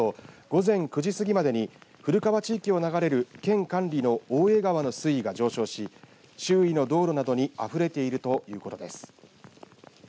市によりますと午前９時過ぎまでに古川地域を流れる県管理の大江川の水位が上昇し周囲の道路などにあふれているということです。